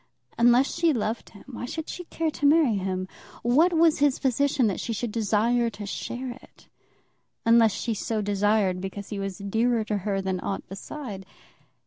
Unless she loved him, why should she care to marry him? What was his position that she should desire to share it; unless she so desired because he was dearer to her than aught beside?